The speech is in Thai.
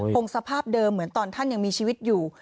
สภาพเดิมเหมือนตอนท่านยังมีชีวิตอยู่